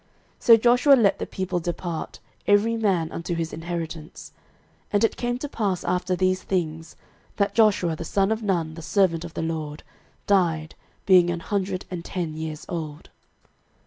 06:024:028 So Joshua let the people depart, every man unto his inheritance. 06:024:029 And it came to pass after these things, that Joshua the son of Nun, the servant of the LORD, died, being an hundred and ten years old.